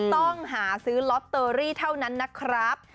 ต้องหาซื้อลอตเตอรี่เท่านั้นนะครับ